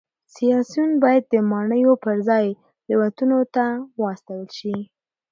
سیاسیون باید د ماڼیو پرځای لېونتونونو ته واستول شي